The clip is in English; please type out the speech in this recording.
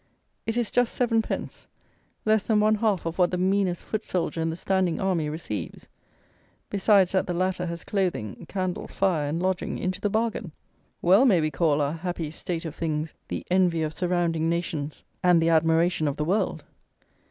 It is just seven pence, less than one half of what the meanest foot soldier in the standing army receives; besides that the latter has clothing, candle, fire, and lodging into the bargain! Well may we call our happy state of things the "envy of surrounding nations, and the admiration of the world!"